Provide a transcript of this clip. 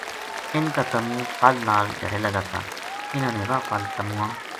اِنھ کا تمو پل نال جھَڑے لگا تھا اِنھاں نے واہ پل تمواں